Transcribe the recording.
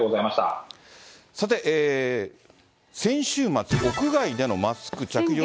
さて、先週末、屋外でのマスク着用。